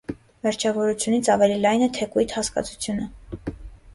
Վերջավորությունից ավելի լայն է թեքույթ հասկացությունը։